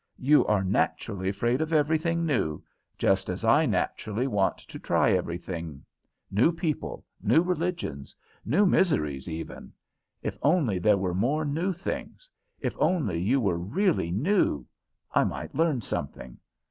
You are naturally afraid of everything new, just as I naturally want to try everything: new people, new religions new miseries, even. If only there were more new things If only you were really new! I might learn something.